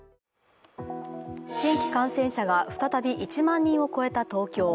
新規感染者が再び１万人を超えた東京。